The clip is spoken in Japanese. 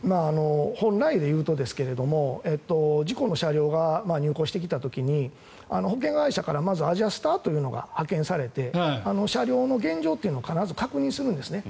本来でいうとですが事故の車両が入庫してきた時に保険会社からまずアジャスターというのが派遣されて車両の現状というのを必ず確認するんですね。